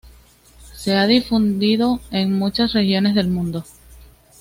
Se ha difundido en muchas regiones del mundo.